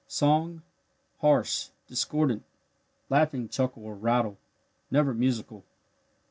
Song harsh, discordant, laughing chuckle or rattle never musical.